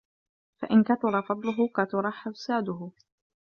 فَإِنْ كَثُرَ فَضْلُهُ كَثُرَ حُسَّادُهُ